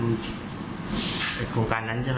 พี่สาวบอกว่าไม่ได้ไปกดยกเลิกรับสิทธิ์นี้ทำไม